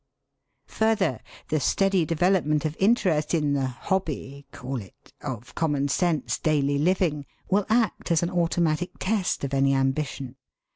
Further, the steady development of interest in the hobby (call it!) of common sense daily living will act as an automatic test of any ambition.